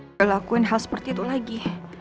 belakuin hal seperti itu lagi